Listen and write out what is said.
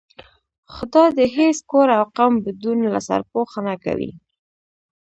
خدا دې هېڅ کور او قوم بدون له سرپوښه نه کوي.